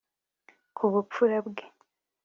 kubupfura bwe.